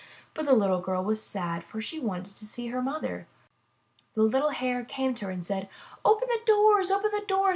But the little girl was sad, for she wanted to see her mother. The little Hare came to her and said: Open the doors! Open the doors!